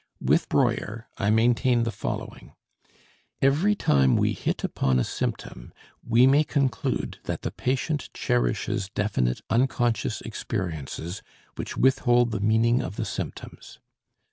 With Breuer I maintain the following: Every time we hit upon a symptom we may conclude that the patient cherishes definite unconscious experiences which withhold the meaning of the symptoms.